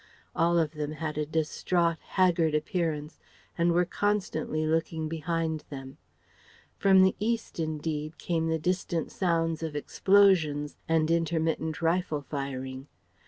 All of them had a distraught, haggard appearance and were constantly looking behind them. From the east, indeed, came the distant sounds of explosions and intermittent rifle firing.